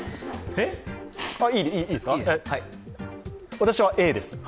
私はＡです。